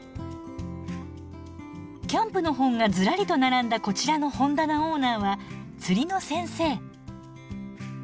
キャンプの本がずらりと並んだこちらの本棚オーナーは釣りの先生。